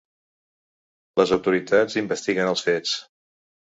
Les autoritats investiguen els fets.